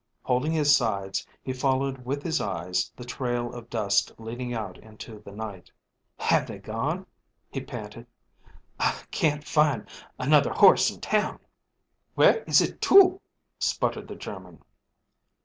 Holding his sides, he followed with his eyes the trail of dust leading out into the night. "Have they gone?" he panted. "I can't find another horse in town." "Where is it to?" sputtered the German.